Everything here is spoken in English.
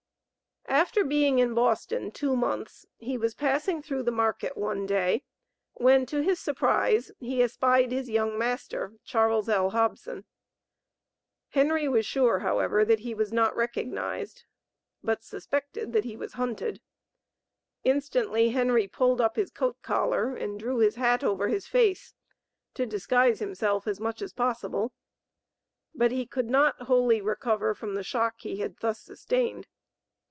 After being in Boston two months, he was passing through the market one day, when, to his surprise, he espied his young master, Charles L. Hobson. Henry was sure, however, that he was not recognized, but suspected that he was hunted. Instantly, Henry pulled up his coat collar, and drew his hat over his face to disguise himself as much as possible; but he could not wholly recover from the shock he had thus sustained.